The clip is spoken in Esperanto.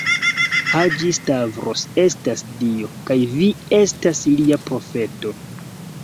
Haĝi-Stavros estas Dio, kaj vi estas lia profeto.